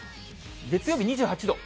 月曜日２８度。